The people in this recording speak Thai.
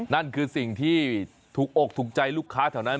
นั่นคือสิ่งที่ถูกอกถูกใจลูกค้าแถวนั้น